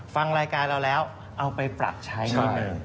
ฟังรายการเราแล้วเอาไปปรับใช้นิดนึง